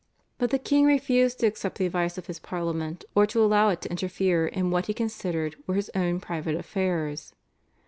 But the king refused to accept the advice of his Parliament or to allow it to interfere in what, he considered, were his own private affairs.